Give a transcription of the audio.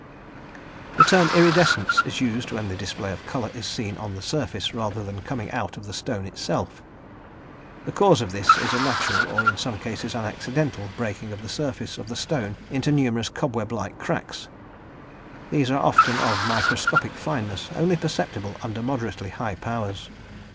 The term "iridescence" is used when the display of colour is seen on the surface, rather than coming out of the stone itself. The cause of this is a natural, or in some cases an accidental, breaking of the surface of the stone into numerous cobweb like cracks; these are often of microscopic fineness, only perceptible under moderately high powers.